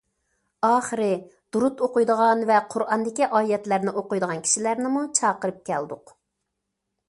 ئاخىرى دۇرۇت ئوقۇيدىغان ۋە قۇرئاندىكى ئايەتلەرنى ئوقۇيدىغان كىشىلەرنىمۇ چاقىرىپ كەلدۇق.